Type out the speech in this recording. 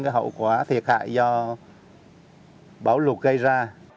hậu quả thiệt hại do báo lục gây ra